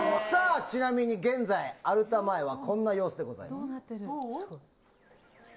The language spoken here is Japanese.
さあ、ちなみに現在、アルタ前はこんな様子でございます。